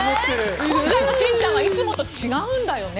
しんちゃんはいつもと違うんだよね？